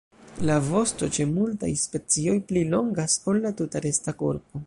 La vosto ĉe multaj specioj pli longas ol la tuta resta korpo.